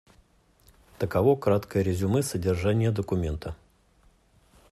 Таково краткое резюме содержания документа.